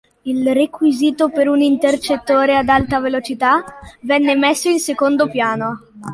Il requisito per un intercettore ad alta velocità, venne messo in secondo piano.